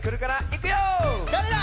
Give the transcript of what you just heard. いくよ！